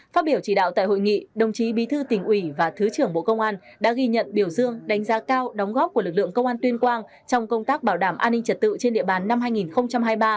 phát biểu chỉ đạo tại hội nghị đồng chí bí thư tỉnh ủy và thứ trưởng bộ công an đã ghi nhận biểu dương đánh giá cao đóng góp của lực lượng công an tuyên quang trong công tác bảo đảm an ninh trật tự trên địa bàn năm hai nghìn hai mươi ba